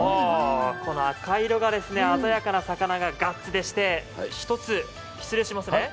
この赤色が鮮やかな魚がガッツでして、１つ、失礼しますね。